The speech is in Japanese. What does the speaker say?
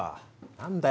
何だよ